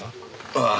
ああ。